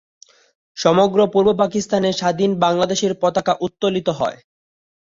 সমগ্র পূর্ব পাকিস্তানে স্বাধীন বাংলাদেশের পতাকা উত্তোলিত হয়।